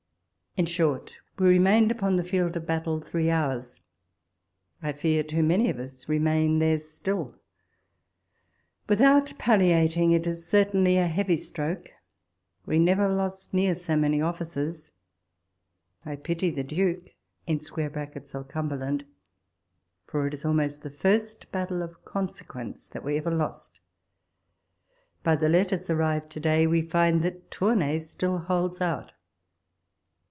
In short, we remained upon the field of battle three hours ; I fear, too many of us remain there still ! without palliat ing, it is certainly a heavy stroke. We never lost near so many officers. I pity the Duke [of Cumberland], for it is almost the first battle of consequence that we ever lost. By the letters arrived to day, we find that Tournay still holds out.